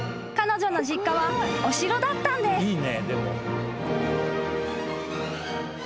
彼女の実家はお城だったんです］